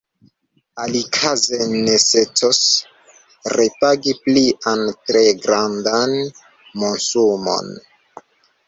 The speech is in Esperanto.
Alikaze necesos repagi plian, tre grandan monsumon.